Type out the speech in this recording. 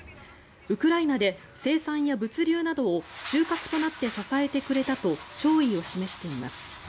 ウクライナで生産や物流などを中核となって支えてくれたと弔意を示しています。